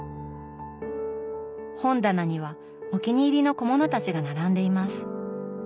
本棚にはお気に入りの小物たちが並んでいます。